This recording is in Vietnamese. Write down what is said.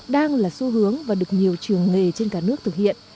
đang là xu hướng và được nhiều trường nghề trên cả nước thực hiện